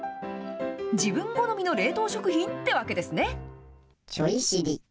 自分好みの冷凍食品ってわけですね。